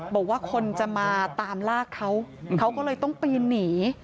บอกว่าคนจะมาตามลากเขาเขาก็เลยต้องปีนหนี